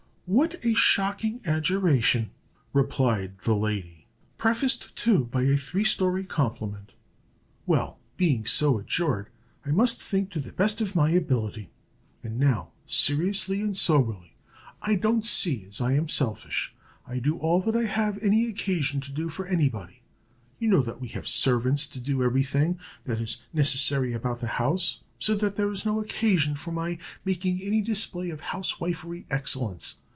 "What a shocking adjuration!" replied the lady; "prefaced, too, by a three story compliment. Well, being so adjured, I must think to the best of my ability. And now, seriously and soberly, I don't see as I am selfish. I do all that I have any occasion to do for any body. You know that we have servants to do every thing that is necessary about the house, so that there is no occasion for my making any display of housewifery excellence.